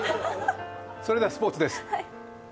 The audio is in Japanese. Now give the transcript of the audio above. それではスポーツです。